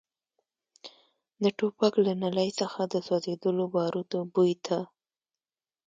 د ټوپک له نلۍ څخه د سوځېدلو باروتو بوی ته.